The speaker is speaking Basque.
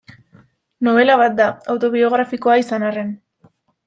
Nobela bat da, autobiografikoa izan arren.